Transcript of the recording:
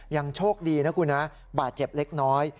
ยังโชคดีนะคุณนะบาดเจ็บเล็กน้อย